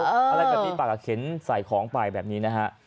อะไรแบบนี้ปากก็เข็นใส่ของไปแบบนี้นะฮะ